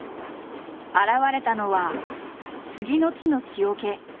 現れたのは杉の木の木桶。